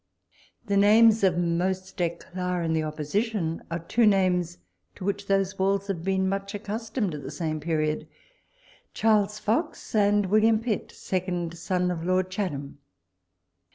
The names of most eclat in the Opposition are two names to which those walls have been much accustomed at the same period — Charles Fox and William Pitt, second son of Lord Chatham.